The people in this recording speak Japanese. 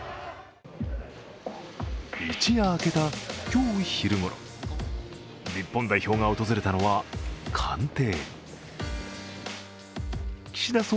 一夜明けた今日昼ごろ、日本代表が訪れたのは官邸。